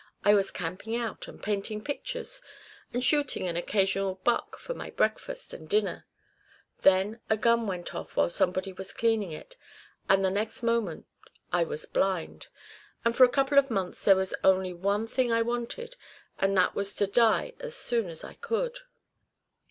I was camping out, and painting pictures, and shooting an occasional buck for my breakfast and dinner. Then a gun went off while somebody was cleaning it, and the next moment I was blind; and for a couple of months there was only one thing I wanted, and that was to die as soon as I could."